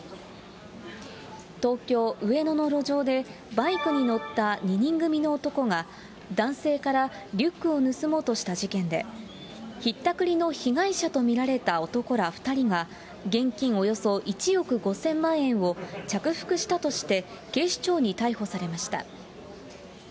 東京・上野の路上で、バイクに乗った２人組の男が、男性からリュックを盗もうとした事件で、ひったくりの被害者と見られた男ら２人が、現金およそ１億５０００万円を着服したとして、警視庁に逮捕されました。